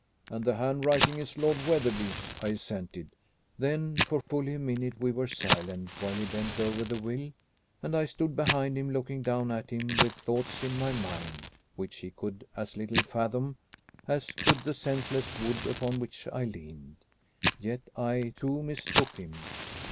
"And the handwriting is Lord Wetherby's." I assented. Then for fully a minute we were silent, while he bent over the will, and I stood behind him looking down at him with thoughts in my mind which he could as little fathom as could the senseless wood upon which I leaned. Yet I too mistook him.